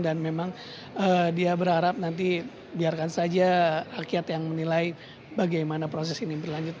dan memang dia berharap nanti biarkan saja rakyat yang menilai bagaimana proses ini berlanjut